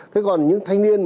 thế còn những thanh niên